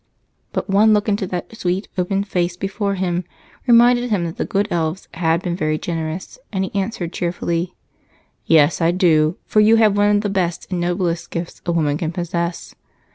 But one look into the sweet, open face before him reminded him that the good elves had been very generous and he answered cheerfully: "Yes, I do, for you have one of the best and noblest gifts a woman can possess.